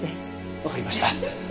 わかりました。